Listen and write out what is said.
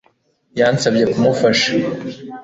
Yansabye kumufasha